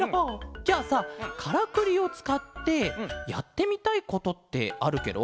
じゃあさカラクリをつかってやってみたいことってあるケロ？